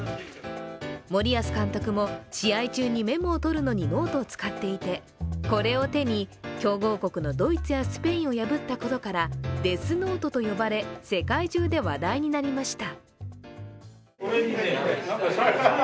森保監督も、試合中にメモを取るのにノートを使っていてこれを手に強豪国のドイツやスペインを破ったことからデスノートと呼ばれ、世界中で話題になりました。